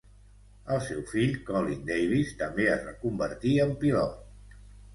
El seu fill, Colin Davis, també es va convertir en pilot.